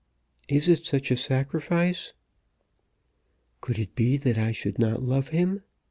"Is it such a sacrifice?" "Could it be that I should not love him?